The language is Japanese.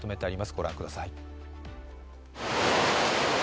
ご覧ください。